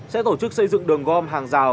sẽ tổ chức xây dựng đường gom hàng rào